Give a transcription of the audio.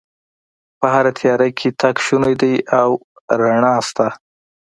په هره تیاره کې تګ شونی دی او رڼا شته